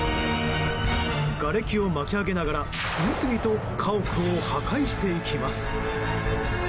がれきを巻き上げながら次々と家屋を破壊していきます。